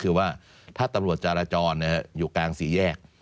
คือว่าถ้าตำรวจจารจรอยู่กลางสี่แยก